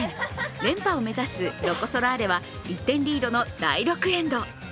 連覇を目指すロコ・ソラーレは１点リードの第６エンド。